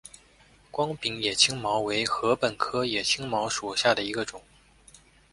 光柄野青茅为禾本科野青茅属下的一个种。